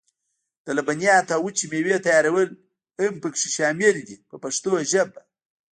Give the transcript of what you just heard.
د لبنیاتو او وچې مېوې تیارول هم پکې شامل دي په پښتو ژبه.